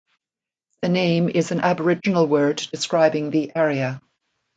The name is an Aboriginal word describing the area.